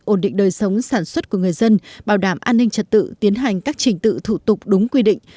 ổn định đời sống sản xuất của người dân bảo đảm an ninh trật tự tiến hành các trình tự thủ tục đúng quy định